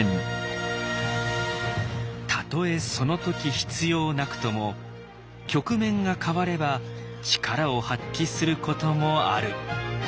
たとえその時必要なくとも局面が変われば力を発揮することもある。